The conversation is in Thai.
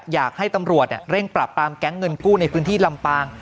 อยากให้ตำรวจเร่งปรับปรามแก๊งเงินกู้ในพื้นที่ลำปาง